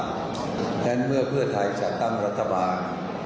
งั้นเมื่อเพื่อไทยจัดตั้งรัฐบาล